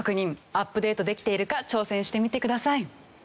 アップデートできているか挑戦してみてください。